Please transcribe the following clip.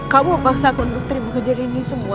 kamu paksaku untuk terima kejadian ini semua